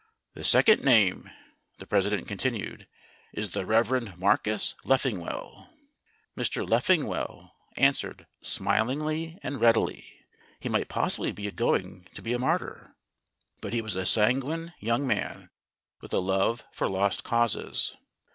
"The second name," the President continued, "is the Rev. Marcus Leffingwell." Mr. Leffingwell answered smilingly and readily. He might possibly be going to be a martyr, but he was a sanguine young man, with a love for lost causes.